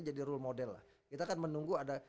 jadi role model lah kita kan menunggu ada